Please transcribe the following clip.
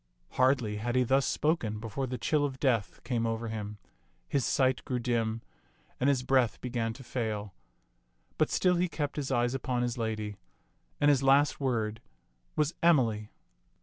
Hardly had he thus spoken before the chill of death came over him, his sight grew dim, and his breath began to fail; but still he kept his eyes upon his lady, and his last word was "Emily."